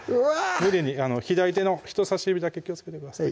無理に左手の人さし指だけ気をつけてください